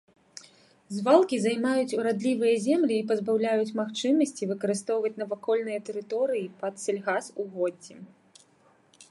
Звалкі займаюць урадлівыя землі і пазбаўляюць магчымасці выкарыстоўваць навакольныя тэрыторыі пад сельгасугоддзі.